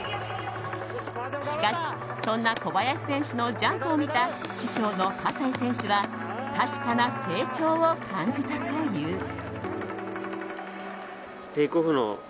しかし、そんな小林選手のジャンプを見た師匠の葛西選手は確かな成長を感じたという。